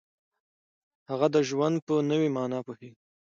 هغه د ژوند په نوې معنا پوهیږي.